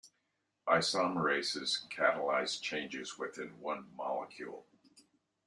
Isomerases catalyze changes within one molecule.